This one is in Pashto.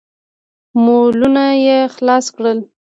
مولونه يې خلاص کړل.